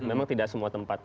memang tidak semua tempat